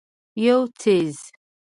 یو څیز